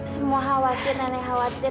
semua khawatir nenek khawatir